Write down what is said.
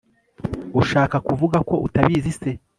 urashaka kuvuga ko utabizi se